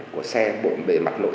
của xe bộ bề mặt nội